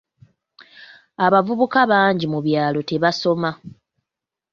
Abavubuka bangi mu byalo tebasoma.